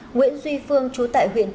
nguyễn duy phương chú tại huyện tràng